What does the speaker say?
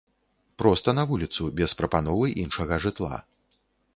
Проста на вуліцу, без прапановы іншага жытла.